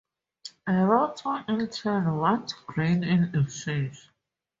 Aratta in turn wants grain in exchange.